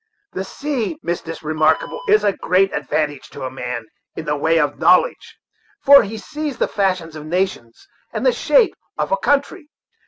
The sea, Mistress Remarkable, is a great advantage to a man, in the way of knowledge, for he sees the fashions of nations and the shape of a country.